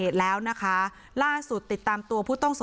เนี่ยค่ะ